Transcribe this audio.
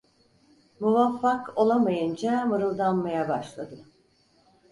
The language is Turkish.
Muvaffak olamayınca mırıldanmaya başladı: